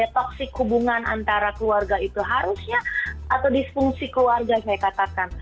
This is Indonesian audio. toksik hubungan antara keluarga itu harusnya atau disfungsi keluarga saya katakan